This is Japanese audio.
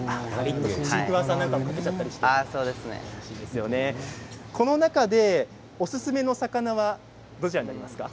シークワーサーもかけちゃったりしてこの中でおすすめの魚はどちらですか？